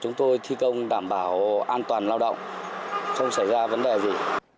chúng tôi thi công đảm bảo an toàn lao động không xảy ra vấn đề gì